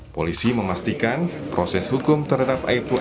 polisi memastikan proses hukum terhadap aypufn sebagai anggota polri